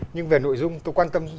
nhưng về nội dung tôi quan tâm